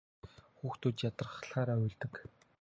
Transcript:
Хүүхдүүд ядрахлаараа уйлдаг.